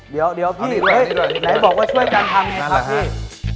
เดี๋ยวพี่ไหนบอกว่าช่วยกันทำไงครับพี่